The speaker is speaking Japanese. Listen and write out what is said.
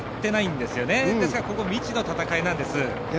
ですからここは未知の戦いなんです。